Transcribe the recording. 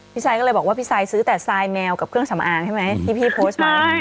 พี่ชายก็เลยบอกว่าพี่ชายซื้อแต่ทรายแมวกับเครื่องสำอางใช่ไหมที่พี่โพสต์มา